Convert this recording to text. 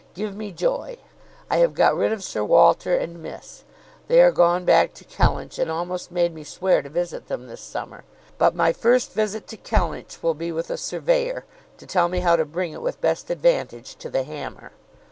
Give me joy: I have got rid of Sir Walter and Miss. They are gone back to Kellynch, and almost made me swear to visit them this summer; but my first visit to Kellynch will be with a surveyor, to tell me how to bring it with best advantage to the hammer.